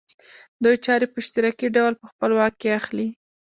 دوی چارې په اشتراکي ډول په خپل واک کې اخلي